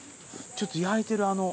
ちょっと焼いてるあの。